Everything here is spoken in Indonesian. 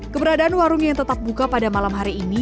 keberadaan warung yang tetap buka pada malam hari ini